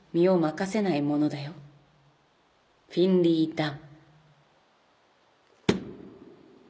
「フィンリー・ダン」